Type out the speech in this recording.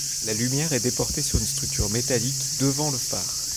La lumière est déportée sur une structure métallique devant le phare.